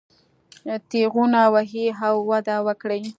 تېغونه ووهي او وده وکړي.